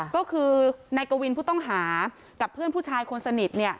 ก็คือนายกวินผู้ต้องหากับเพื่อนผู้ชายคนสนิท